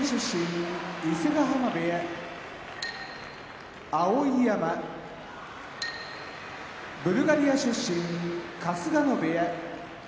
伊勢ヶ濱部屋碧山ブルガリア出身春日野部屋